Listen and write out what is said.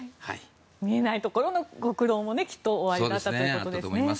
見えないところのご苦労もおありだったということですね。